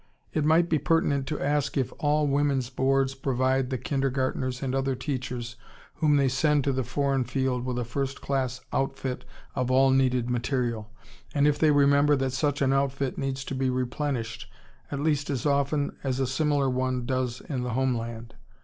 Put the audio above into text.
It might be pertinent to ask if all Women's Boards provide the kindergartners and other teachers whom they send to the foreign field with a first class outfit of all needed material, and if they remember that such an outfit needs to be replenished at least as often as a similar one does in the home land.